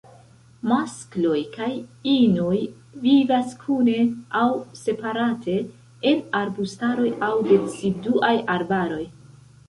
Maskloj kaj inoj vivas kuna aŭ separate en arbustaroj aŭ deciduaj arbaroj.